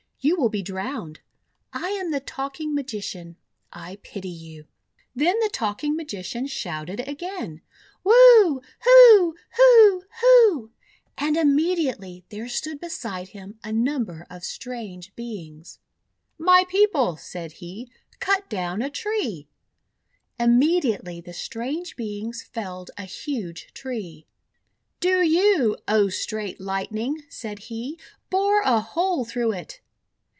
You wTill be drowned. I am the Talking Magician. I pity you." Then the Talking Magician shouted again, " Wu ! Hu ! Hu ! Hu !" and immediately there stood beside him a number of strange Beings. "My People," said he, "cut down a tree!" Immediately the strange Beings felled a huge tree. :<Do you, O Straight Lightning," said he, 'bore a hole through it!'